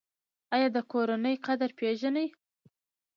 ایا د کورنۍ قدر پیژنئ؟